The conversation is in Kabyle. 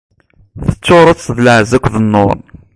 Teččureḍ-t d lɛezz akked nnuṛ.